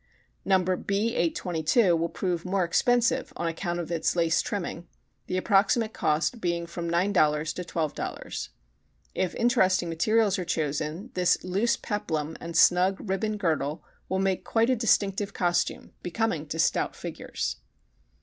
No. B 822 will prove more expensive on account of the lace trimming, the approximate cost being from $9.00 to $12.00. If interesting materials are chosen, this loose peplum and snug ribbon girdle will make quite a distinctive costume, becoming to stout figures.